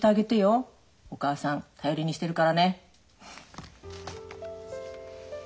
お母さん頼りにしてるからね。